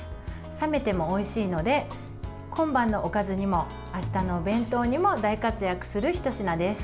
冷めてもおいしいので今晩のおかずにもあしたのお弁当にも大活躍するひと品です。